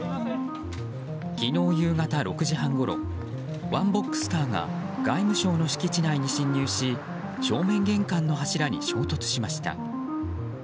昨日夕方６時半ごろワンボックスカーが外務省の敷地内に侵入し正面玄関の柱に衝突しました。